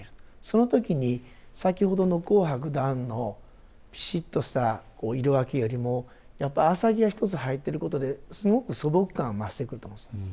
その時に先ほどの紅白段のピシッとした色分けよりもやっぱり浅葱が一つ入ってることですごく素朴感増してくると思うんです。